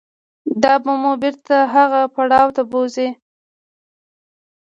دا به مو بېرته هغه پړاو ته بوځي.